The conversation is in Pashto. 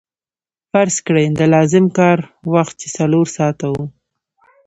فرض کړئ د لازم کار وخت چې څلور ساعته وو